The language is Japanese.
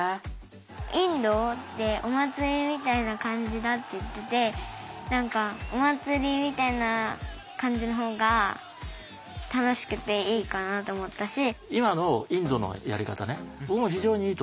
インドってお祭りみたいな感じだって言ってて何かお祭りみたいな感じの方が楽しくていいかなと思ったし。